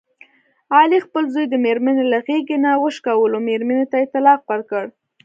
علي خپل زوی د مېرمني له غېږې نه وشکولو، مېرمنې ته یې طلاق ورکړ.